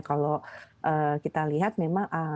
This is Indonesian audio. kalau kita lihat memang